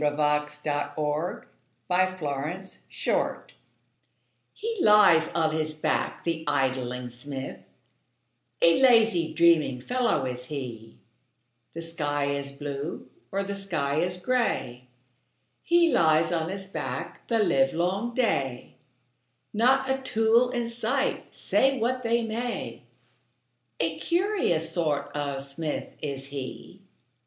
Helen Hunt Jackson The Poet's Forge HE lies on his back, the idling smith, A lazy, dreaming fellow is he; The sky is blue, or the sky is gray, He lies on his back the livelong day, Not a tool in sight, say what they may, A curious sort of smith is he.